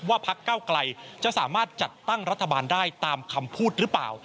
พักเก้าไกลจะสามารถจัดตั้งรัฐบาลได้ตามคำพูดหรือเปล่า